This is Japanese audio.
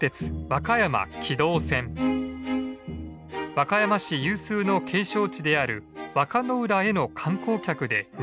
和歌市有数の景勝地である和歌浦への観光客でにぎわいました。